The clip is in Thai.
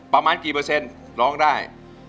ประมาณกี่เปอร์เซ็นต์ร้องได้